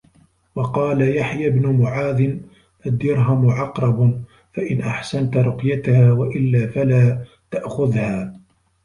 وَقَالَ يَحْيَى بْنُ مُعَاذٍ الدِّرْهَمُ عَقْرَبُ فَإِنْ أَحْسَنْتَ رُقْيَتَهَا وَإِلَّا فَلَا تَأْخُذْهَا